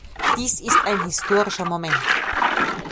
Dies ist ein historischer Moment.